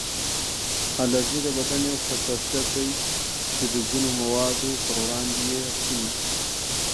الرژي د بدن یو حساسیت دی چې د ځینو موادو پر وړاندې یې ښیي